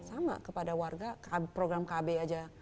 sama kepada warga program kb aja